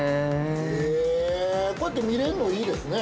◆こうやって見れるのいいですね。